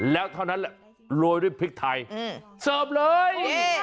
แล้วเท่านั้นแหละโรยด้วยพริกไทยเสิร์ฟเลย